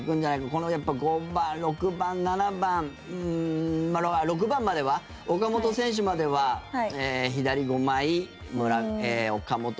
この５番、６番、７番うーん、６番までは岡本選手までは左５枚、岡本。